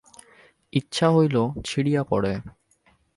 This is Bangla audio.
ইচ্ছা হইল ছিঁড়িয়া পড়ে।